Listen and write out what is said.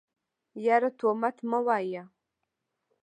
يره تومت مه وايه.